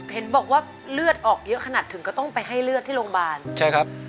เห็นบอกว่าเลือดออกเยอะขนาดถึงก็ต้องไปให้เลือดที่โรงพยาบาลใช่ครับ